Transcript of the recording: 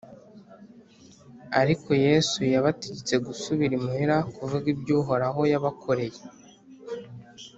ariko yesu yabategetse gusubira imuhira kuvuga ibyo uhoraho yabakoreye